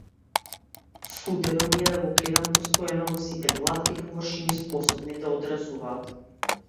Судено ми е да го гледам постојано, во сите глатки површини способни да одразуваат.